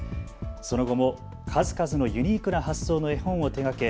その後も数々のユニークな発想の絵本を手がけ